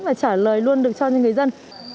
và trả lời luôn được cho người dân